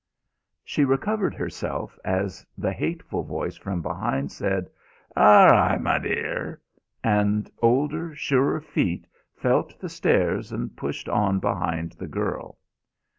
She recovered herself as the hateful voice from behind said, "Aw ri', m'dear," and older, surer feet felt the stairs and pushed on behind the girl.